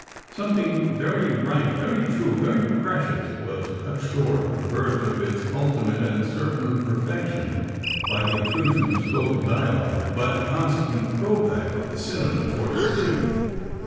Something very right, very true, very precious, was cut short on the verge of its ultimate and certain perfection by the intrusion of spoken dialogue and by the consequent throw back of the cinema toward the theatre.